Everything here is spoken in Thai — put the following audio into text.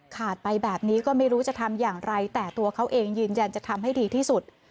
ขาดไปแบบนี้ก็ไม่รู้จะทำอย่างไรแต่ตัวเขาเองยืนยันจะทำให้ดีที่สุด